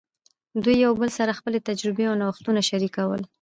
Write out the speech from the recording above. دوی یو بل سره خپلې تجربې او نوښتونه شریکول.